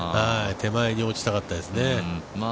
手間に落ちたかったですね。